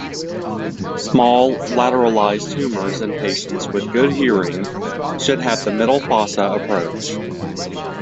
Small, lateralized tumours in patients with good hearing should have the middle fossa approach.